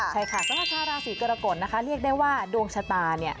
ใช่ค่ะสำหรับชาวราศีกรกฎนะคะเรียกได้ว่าดวงชะตาเนี่ย